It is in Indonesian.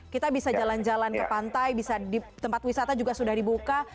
kita bisa jalan jalan ke pantai tempat wisata juga sudah dibuka